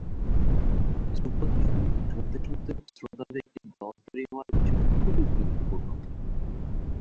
ধ্রুপদি সংগীত শুনতে শুনতে শ্রোতাদের একটি দল তৈরি হওয়ার বিষয়টি খুবই গুরুত্বপূর্ণ।